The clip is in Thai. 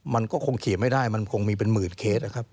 มันก็คงเขียนไม่ได้มันคงมีเป็นหมื่นเคสนะครับ